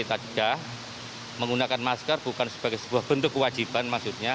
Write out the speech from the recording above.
tadi menggunakan masker bukan sebagai sebuah bentuk kewajiban maksudnya